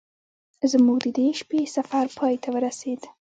زموږ د دې شپې سفر پای ته ورسید.